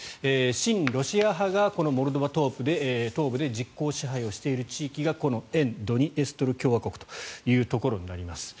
親ロシア派がこのモルドバ東部で実効支配している地域がこの沿ドニエストル共和国というところになります。